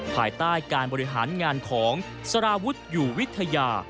ภายใต้การบริหารงานของสารวุฒิอยู่วิทยา